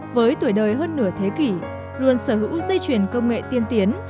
với tuổi đời hơn nửa thế kỷ luôn sở hữu dây chuyển công nghệ tiên tiến